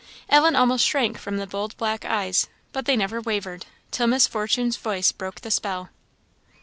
Ellen almost shrank from the bold black eyes, but they never wavered, till Miss Fortune's voice broke the spell.